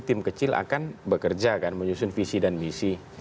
tim kecil akan bekerja kan menyusun visi dan misi